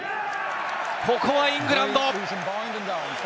ここはイングランド。